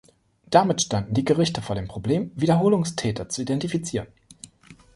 Damit standen die Gerichte vor dem Problem, Wiederholungstäter zu identifizieren.